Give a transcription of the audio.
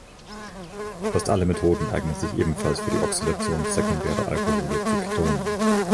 Fast alle Methoden eignen sich ebenfalls für die Oxidation sekundärer Alkohole zu Ketonen.